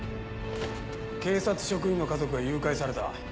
警察職員の家族が誘拐された。